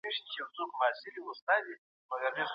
تر پېښي وروسته خلک راغونډ سول.